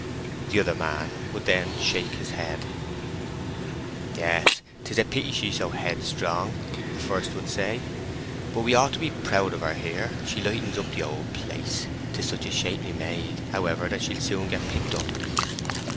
The other man would then shake his head. "Yes, 'tis a pity she's so headstrong," the first would say. "But we ought to be proud of her here—she lightens up the old place. 'Tis such a shapely maid, however, that she'll soon get picked up."